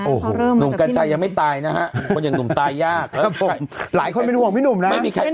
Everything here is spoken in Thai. โอ้โหหนุ่มกันชัยยังไม่ตายนะฮะคนอย่างหนุ่มตายยากนะครับโอ้โหหนุ่มกันชัยยังไม่ตายนะฮะคนอย่างหนุ่มตายยากนะฮะ